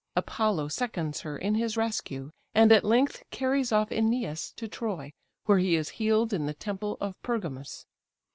Apollo seconds her in his rescue, and at length carries off Æneas to Troy, where he is healed in the temple of Pergamus.